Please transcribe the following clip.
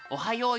はい。